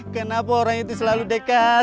kenapa orang itu selalu dekat